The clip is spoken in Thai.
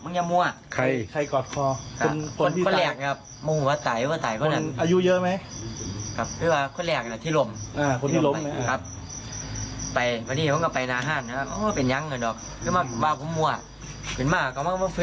เนี่ยเขาเรียกมาพฤทธิ์แม่นี้รุ่นแรงกันมาก